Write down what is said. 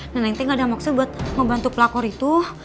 nenek teh gak ada maksud buat membantu pelakor itu